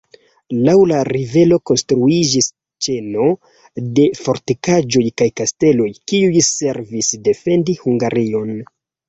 Laŭ la rivero konstruiĝis ĉeno de fortikaĵoj kaj kasteloj, kiuj servis defendi Hungarion.